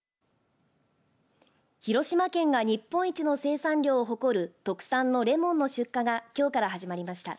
広島県が日本一の生産量を誇る特産のれもんの出荷がきょうから始まりました。